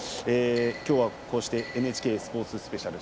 きょうはこうしてＮＨＫスポーツスペシャル